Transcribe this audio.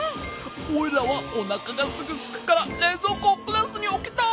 オイラはおなかがすぐすくかられいぞうこをクラスにおきたい！